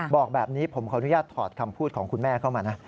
บอกแบบนี้ผมขออนุญาตถอดคำพูดของคุณแม่เข้ามานะ